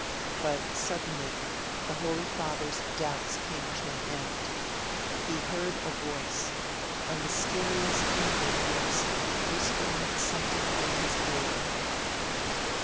But suddenly, the Holy Father's doubts came to an end. He heard a voice a mysterious inward voice whispering something in his ear.